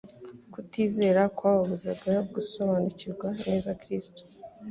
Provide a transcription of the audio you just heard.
Kutizera kwababuzaga gusobariukirwa neza Kristo,